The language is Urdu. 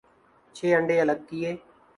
چھ انڈے الگ کئے ۔